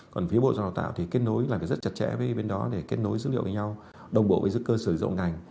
còn phía bộ giáo dục và đào tạo thì kết nối làm cái rất chặt chẽ với bên đó để kết nối dữ liệu với nhau đồng bộ với dữ cơ sở dụng ngành